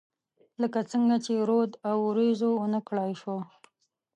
لکه څنګه چې رود او، اوریځو ونه کړای شوه